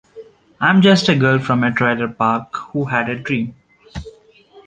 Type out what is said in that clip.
I'm just a girl from a trailer park who had a dream.